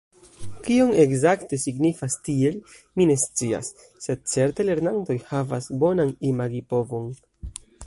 Kion ekzakte signifas 'tiel', mi ne scias, sed certe lernantoj havas bonan imagipovon.